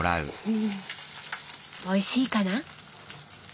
おいしいかな？